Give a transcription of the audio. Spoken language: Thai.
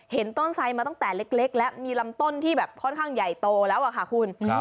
เห็นต้นไซดมาตั้งแต่เล็กแล้วมีลำต้นที่แบบค่อนข้างใหญ่โตแล้วอะค่ะคุณ